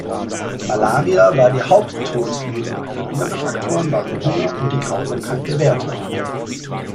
Malaria war die Haupt-Todesursache, andere Faktoren waren Hunger und die Grausamkeit der Wärter.